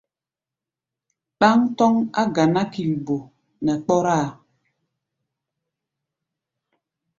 Ɗáŋ tɔ́ŋ á ganá kilbo nɛ kpɔ́rá-a.